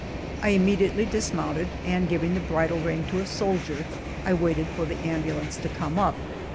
I immediately dismounted, and giving the bridle rein to a soldier, I waited for the ambulance to come up.